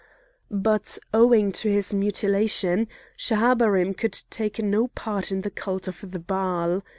But owing to his mutilation, Schahabarim could take no part in the cult of the Baal.